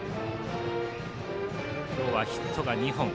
今日はヒットが２本。